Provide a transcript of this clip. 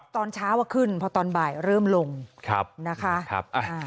ตอนเช้าว่าขึ้นพอตอนบ่ายเริ่มลงนะคะ